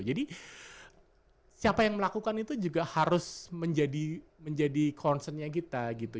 jadi siapa yang melakukan itu juga harus menjadi concernnya kita gitu